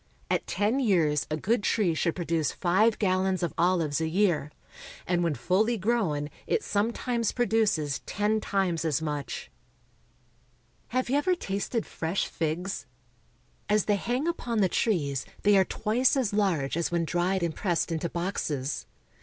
At ten years a good tree should produce five gallons of olives a year; and when fully grown it sometimes produces ten times as much. Olive Oil Works. Have you ever tasted fresh figs? As they hang upon the trees they are twice as large as when dried and pressed into boxes.